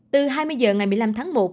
từ hai mươi h ngày một mươi năm tháng một